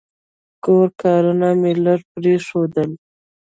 کور کارونه مې لږ پرېښودل.